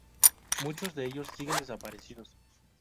Muchos de ellos siguen desaparecidos.